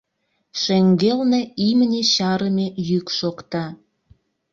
Шеҥгелне имне чарыме йӱк шокта.